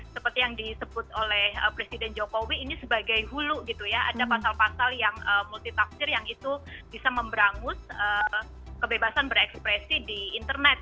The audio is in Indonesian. seperti yang disebut oleh presiden jokowi ini sebagai hulu gitu ya ada pasal pasal yang multitafsir yang itu bisa memberangus kebebasan berekspresi di internet